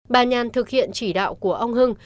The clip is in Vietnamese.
bà nhàn thực hiện chỉ đạo của ông hưng